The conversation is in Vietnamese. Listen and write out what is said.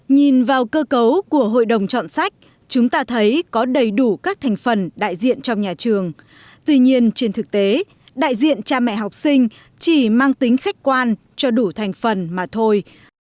nhìn vào cơ cấu của hội đồng chọn sách chúng ta thấy có đầy đủ các thành phần đại diện trong nhà trường tuy nhiên trên thực tế đại diện cha mẹ học sinh chỉ mang tính khách quan cho đủ thành phần mà thôi